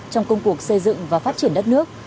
trong công cuộc xây dựng và phát triển nước